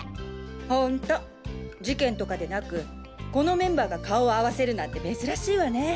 ホント事件とかでなくこのメンバーが顔を合わせるなんて珍しいわね。